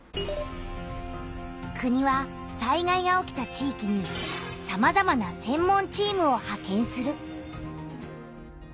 国は災害が起きた地域にさまざまな「専門チーム」をはけんする。